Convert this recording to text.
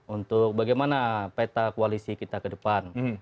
untuk bagaimana peta koalisi kita ke depan